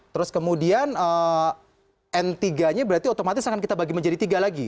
terus kemudian n tiga nya berarti otomatis akan kita bagi menjadi tiga lagi